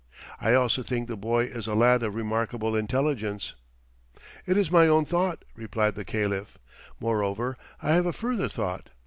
I also think the boy is a lad of remarkable intelligence." "It is my own thought," replied the Caliph. "Moreover I have a further thought.